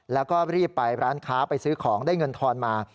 แล้วก็รีบไปร้านค้าไปซื้อของได้เงินทอนมา